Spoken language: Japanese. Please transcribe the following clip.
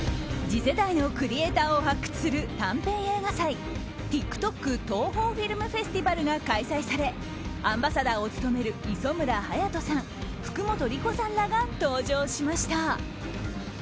次世代のクリエーターを発掘する短編映画祭ＴｉｋＴｏｋＴＯＨＯＦｉｌｍＦｅｓｔｉｖａｌが開催されアンバサダーを務める磯村勇斗さん、福本莉子さんらが登場しました。